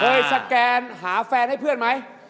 สแกนหาแฟนให้เพื่อนไหม